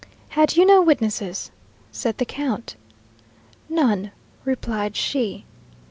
"Had you no witnesses?" said the count. "None," replied she.